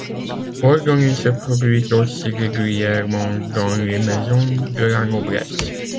Ordonez se produit aussi régulièrement dans les maisons de la noblesse.